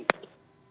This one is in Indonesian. maka ketika terjadi